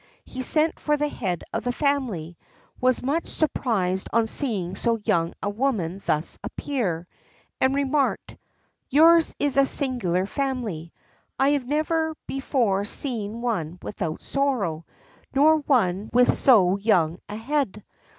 He sent for the head of the family, was much surprised on seeing so young a woman thus appear, and remarked: "Yours is a singular family. I have never before seen one without sorrow, nor one with so young a head.